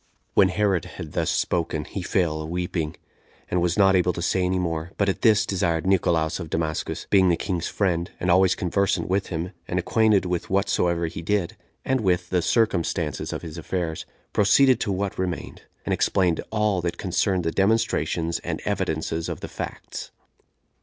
4. When Herod had thus spoken, he fell a weeping, and was not able to say any more; but at his desire Nicolaus of Damascus, being the king's friend, and always conversant with him, and acquainted with whatsoever he did, and with the circumstances of his affairs, proceeded to what remained, and explained all that concerned the demonstrations and evidences of the facts.